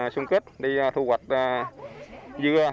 xung kích đi thu hoạch dưa